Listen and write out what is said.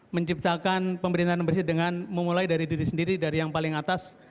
menciptakan pemerintahan yang bersih dengan memulai dari diri sendiri dari yang paling atas